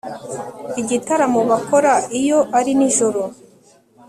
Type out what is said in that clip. igitaramo bakora iyo ari nijoro